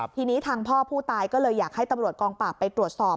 ทีนี้ทางพ่อผู้ตายก็เลยอยากให้ตำรวจกองปราบไปตรวจสอบ